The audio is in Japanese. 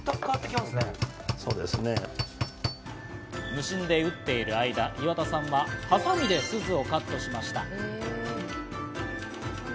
無心で打っている間、岩田さんはハサミでスズをカットしました。